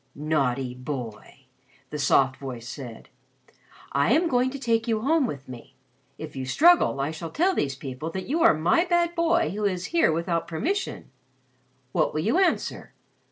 "Naughty boy!" the soft voice said. "I am going to take you home with me. If you struggle I shall tell these people that you are my bad boy who is here without permission. What will you answer?